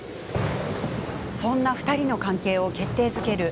そんな２人の関係を決定づける